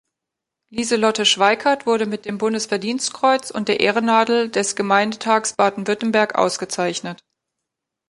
Lieselotte Schweikert wurde mit dem Bundesverdienstkreuz und der Ehrennadel des Gemeindetags Baden-Württemberg ausgezeichnet.